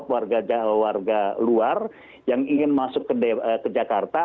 warga luar yang ingin masuk ke jakarta